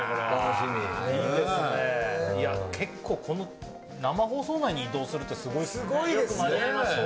結構、この生放送内に移動するってすごいですね。